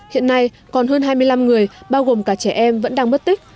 hiện nay còn hơn hai mươi năm người bao gồm cả trẻ em vẫn đang mất tích